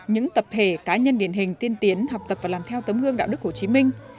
những tập thể cá nhân điển hình tiên tiến học tập và làm theo tấm gương đạo đức hồ chí minh